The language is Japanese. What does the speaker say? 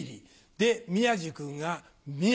で宮治君が宮。